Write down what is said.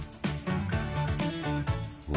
うわ。